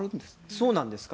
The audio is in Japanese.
そうなんですか？